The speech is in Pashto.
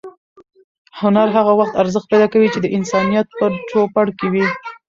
هنر هغه وخت ارزښت پیدا کوي چې د انسانیت په چوپړ کې وي.